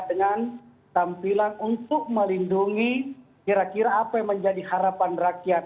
dengan tampilan untuk melindungi kira kira apa yang menjadi harapan rakyat